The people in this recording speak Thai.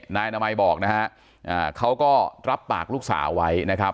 นายอนามัยบอกนะฮะเขาก็รับปากลูกสาวไว้นะครับ